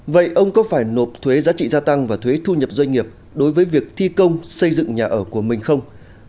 vậy ông có phải nộp thuế giá trị gia tăng và thuế thu nhập doanh nghiệp đối với việc thi công xây dựng nhà ở của mình không